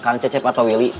kang cecep atau willy